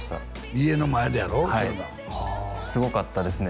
家の前でやろはいすごかったですね